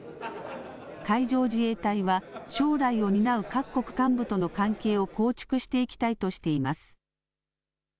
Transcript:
海上自衛隊は将来を担う各国幹部との関係を構築していきたいとしています。